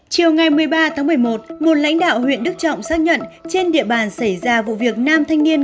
chiều ngày một mươi ba tháng một mươi một một lãnh đạo huyện đức trọng xác nhận trên địa bàn xảy ra vụ việc nam thanh niên